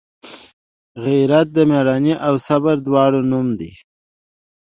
غیرت د میړانې او صبر دواړو نوم دی